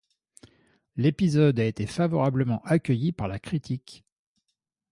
L'épisode a été favorablement accueilli par la critique.